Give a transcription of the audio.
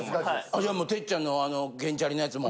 じゃあ哲ちゃんの原チャリのやつも。